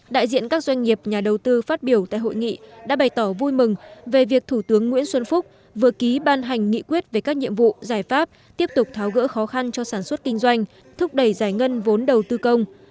đại diện các doanh nghiệp nhà đầu tư phát biểu tại hội nghị đã bày tỏ vui mừng về việc thủ tướng nguyễn xuân phúc vừa ký ban hành nghị quyết về các nhiệm vụ giải pháp tiếp tục tháo gỡ khó khăn cho sản xuất kinh doanh thúc đẩy giải ngân vốn đầu tư công